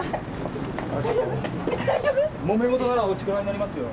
もめ事ならお力になりますよ。